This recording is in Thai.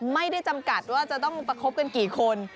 ไม่ได้จำกัดว่าจะต้องประคบกันกี่คน